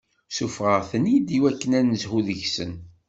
Ssufeɣ-aɣ-ten-id iwakken ad n-nezhu deg-sen.